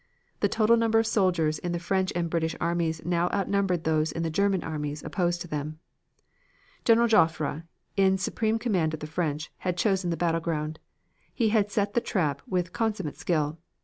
The total number of soldiers in the French and British armies now outnumbered those in the German armies opposed to them. General Joffre, in supreme command of the French, had chosen the battleground. He had set the trap with consummate skill.